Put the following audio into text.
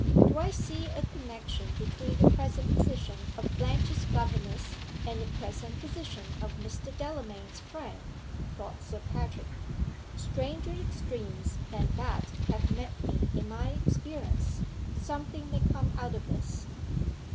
"Do I see a connection between the present position of Blanche's governess, and the present position of Mr. Delamayn's 'friend?'" thought Sir Patrick. "Stranger extremes than that have met me in my experience. Something may come out of this."